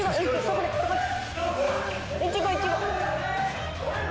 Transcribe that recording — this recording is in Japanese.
イチゴイチゴ。